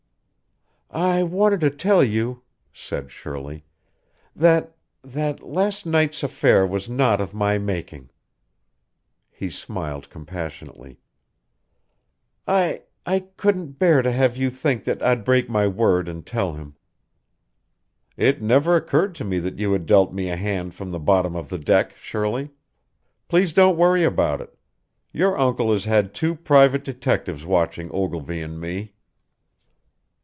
"I wanted to tell you," said Shirley, "that that last night's affair was not of my making." He smiled compassionately. "I I couldn't bear to have you think I'd break my word and tell him." "It never occurred to me that you had dealt me a hand from the bottom of the deck, Shirley. Please don't worry about it. Your uncle has had two private detectives watching Ogilvy and me."